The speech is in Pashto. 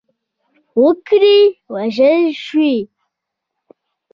وګړي وژل شوي.